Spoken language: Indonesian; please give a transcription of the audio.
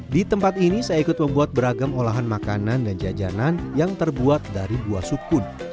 di tempat ini saya ikut membuat beragam olahan makanan dan jajanan yang terbuat dari buah sukun